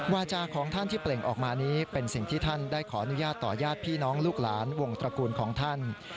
วาจาของท่านที่เปล่งออกมานี้เป็นสิ่งที่ท่านได้ขออนุญาตต่อญาติพี่น้องลูกหลานวงตระกูลของท่าน